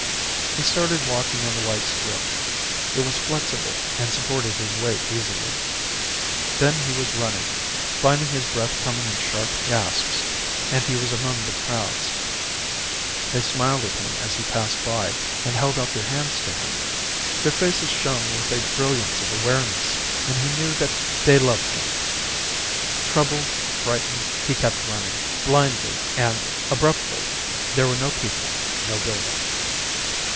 He started walking on the white strip. It was flexible and supported his weight easily. Then he was running, finding his breath coming in sharp gasps and he was among the crowds. They smiled at him as he passed by and held out their hands to him. Their faces shone with a brilliance of awareness and he knew that they loved him. Troubled, frightened, he kept running, blindly, and, abruptly, there were no people, no buildings.